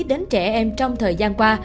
đến trẻ em trong thời gian qua